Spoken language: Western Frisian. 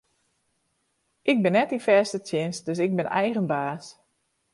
Ik bin net yn fêste tsjinst, dus ik bin eigen baas.